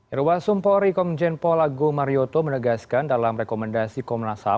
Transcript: irwa sumpo rekomjen pol agung budi marioto menegaskan dalam rekomendasi komnas ham